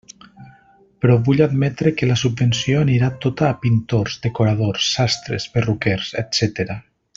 Però vull admetre que la subvenció anirà tota a pintors, decoradors, sastres, perruquers, etcètera.